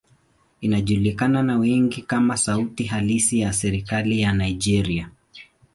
Inajulikana na wengi kama sauti halisi ya serikali ya Nigeria.